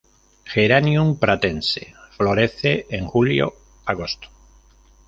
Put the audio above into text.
Geranium pratense florece en julio-agosto.